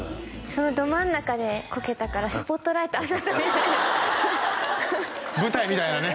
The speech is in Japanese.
そのど真ん中でこけたからスポットライト当たったみたいに舞台みたいなね